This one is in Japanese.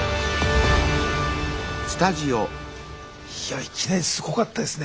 いやいきなりすごかったですね。